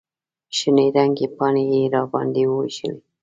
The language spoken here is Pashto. شنې رنګې پاڼې یې راباندې ووېشلې.